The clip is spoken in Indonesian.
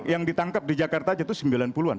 yang ditangkap di jakarta aja tuh sembilan puluhan